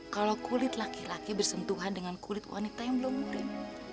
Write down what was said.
kalau kulit laki laki bersentuhan dengan kulit wanita yang belum gurih